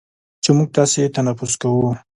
چې موږ تاسې یې تنفس کوو،